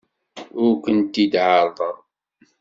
Ur kent-id-ɛerrḍeɣ.